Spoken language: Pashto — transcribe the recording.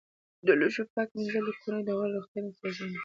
د لوښو پاک مینځل د کورنۍ د غړو روغتیا تضمینوي.